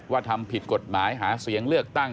ทำผิดกฎหมายหาเสียงเลือกตั้ง